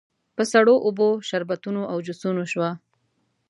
په سړو اوبو، شربتونو او جوسونو شوه.